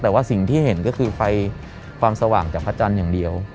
แต่ว่าสิ่งที่เห็นก็คือไฟความสว่างจากพระจันทร์อย่างเดียว